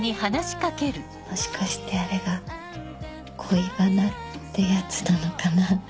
もしかしてあれが恋バナってやつなのかな？